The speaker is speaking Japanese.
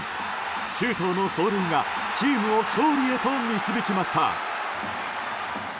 周東の走塁がチームを勝利へと導きました。